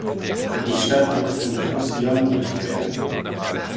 Die Stadt wird vom Fluss Yon durchquert.